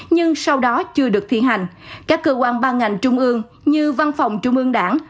nhưng sau đó chưa được thi hành các cơ quan ban ngành trung ương như văn phòng trung ương đảng